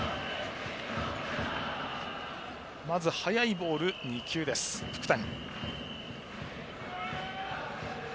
まず速いボールが２球、福谷。